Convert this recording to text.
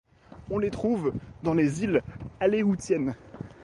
On les trouve dans les îles Aléoutiennes.